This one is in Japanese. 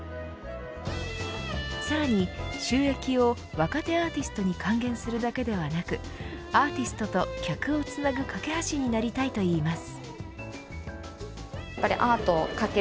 さらに収益を若手アーティストに還元するだけではなくアーティストと客をつなぐ懸け橋になりたいと言います。